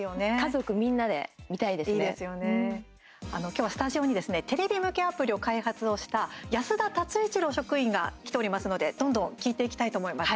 きょうは、スタジオにですねテレビ向けアプリを開発をした安田達一郎職員が来ておりますのでどんどん聞いていきたいと思います。